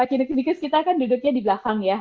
karena kita kan duduknya di belakang ya